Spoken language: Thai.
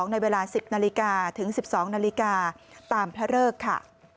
ในเวลา๑๐นาฬิกาถึง๑๒นาฬิกาตามพระเริกค่ะ